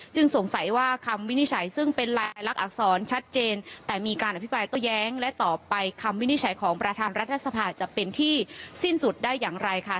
ซึ่งสงสัยว่าคำวินิจฉัยซึ่งเป็นลายลักษรชัดเจนแต่มีการอภิปรายโต้แย้งและต่อไปคำวินิจฉัยของประธานรัฐสภาจะเป็นที่สิ้นสุดได้อย่างไรค่ะ